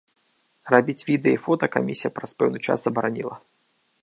Рабіць відэа і фота камісія праз пэўны час забараніла.